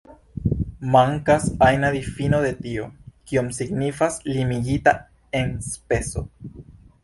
Mankas ajna difino de tio, kion signifas limigita enspezo.